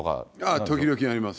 時々ありますね。